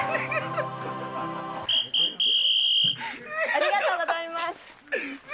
ありがとうございます。